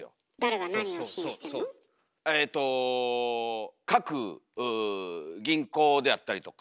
えと各銀行であったりとか。